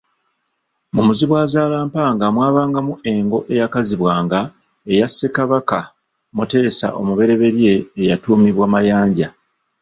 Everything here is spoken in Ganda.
Mu Muzibwazalampanga mwabangamu engo eyakazibwanga eya Ssekabaka Muteesa omuberyeberye eyatumibwa Mayanja.